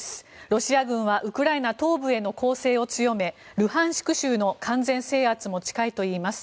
ロシア軍はウクライナ東部への攻勢を強めルハンシク州の完全制圧も近いといいます。